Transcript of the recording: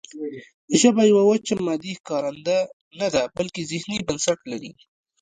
ژبه یوه وچه مادي ښکارنده نه ده بلکې ذهني بنسټ لري